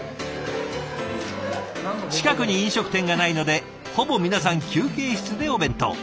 近くに飲食店がないのでほぼ皆さん休憩室でお弁当。